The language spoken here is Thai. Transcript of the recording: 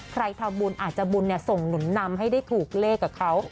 ใครทำบุญอาจจะบุญส่งหนุนนำให้ได้ถูกเลขกับเขา